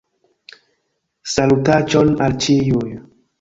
Salutaĉon al ĉiuj